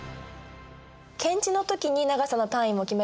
検地の時に長さの単位も決めたんだね。